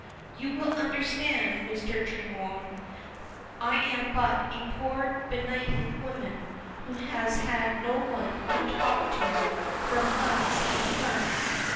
You will understand, Mr. Tremorne, I am but a poor benighted woman who has had no one to talk to for months and months.